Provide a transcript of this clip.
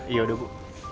iya udah ibu